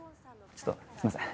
ちょっとすいません